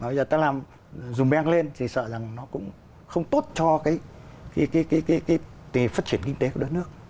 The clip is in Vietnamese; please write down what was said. nói ra ta làm zoom bang lên thì sợ rằng nó cũng không tốt cho cái phát triển kinh tế của đất nước